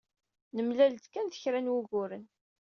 Nemlal-d kan ed kra n wuguren.